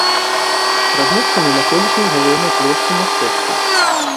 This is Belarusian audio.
Размешчаны на колішняй галоўнай плошчы мястэчка.